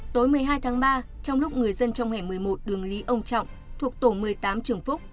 tối một mươi hai tháng ba trong lúc người dân trong hẻm một mươi một đường lý ông trọng thuộc tổ một mươi tám trường phúc